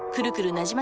なじま